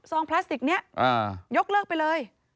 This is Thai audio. พลาสติกนี้ยกเลิกไปเลย